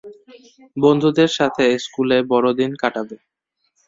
বন্ধুদের সাথে স্কুলে বড়দিন কাটাবে।